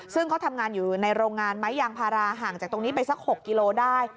ซึ่งเขาทำงานอยู่ในโรงงานไม้ยางพาราห่างจากตรงนี้ไปสัก๖กิโลได้